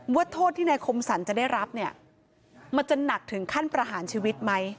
โทษที่นายคมสรรจะได้รับเนี่ยมันจะหนักถึงขั้นประหารชีวิตไหม